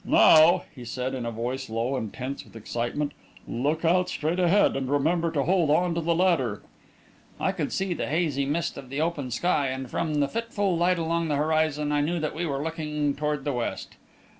"Now," he said, in a voice low and tense with excitement, "look out, straight ahead. And remember to hold on to the ladder." I could see the hazy mist of the open sky, and from the fitful light along the horizon, I knew that we were looking toward the west.